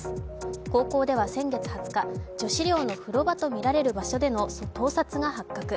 高校では先月２０日、女子寮の風呂場とみられる場所での盗撮が発覚。